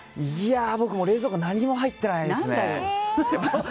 僕、冷蔵庫何も入ってないですね。